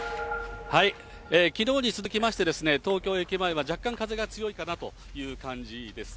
きのうに続きまして、東京駅前は若干、風が強いかなという感じです。